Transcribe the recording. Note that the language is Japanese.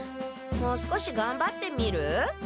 もう少しがんばってみる？